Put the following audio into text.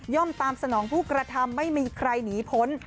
ตามสนองผู้กระทำไม่มีใครหนีพ้น